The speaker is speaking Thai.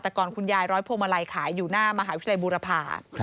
แต่ก่อนคุณยายร้อยพวงมาลัยขายอยู่หน้ามหาวิทยาลัยบูรพา